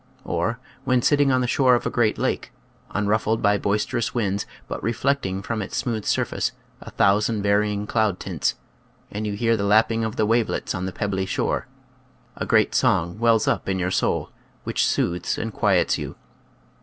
Or, when sitting on the shore of a great lake, unruffled by boisterous winds but reflecting from its smooth surface a thousand varying cloud tints, and you hear the lapping of the wavelets on the pebbly shore ; a great song wells up in your soul which soothes and quiets you.